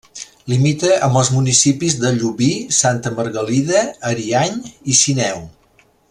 Limita amb els municipis de Llubí, Santa Margalida, Ariany i Sineu.